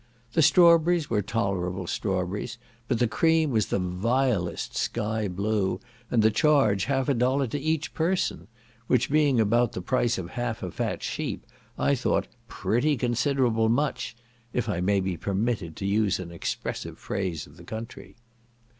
The strawberries were tolerable strawberries, but the cream was the vilest sky blue, and the charge half a dollar to each person; which being about the price of half a fat sheep, I thought "pretty considerable much," if I may be permitted to use an expressive phrase of the country.